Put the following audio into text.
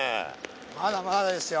まだまだですよ。